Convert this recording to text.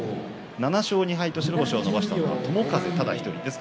７勝２敗としましたのは友風ただ１人です。